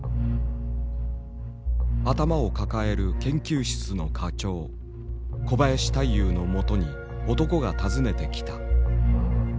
頭を抱える研究室の課長小林大祐のもとに男が訪ねてきた。